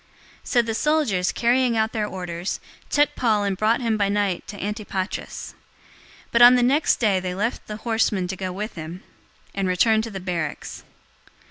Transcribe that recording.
023:031 So the soldiers, carrying out their orders, took Paul and brought him by night to Antipatris. 023:032 But on the next day they left the horsemen to go with him, and returned to the barracks.